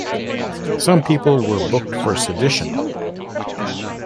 Some people were booked for sedition.